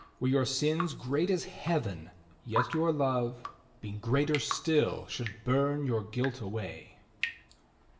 Were your sins great as Heaven, yet your love. Being greater still, should burn your guilt away.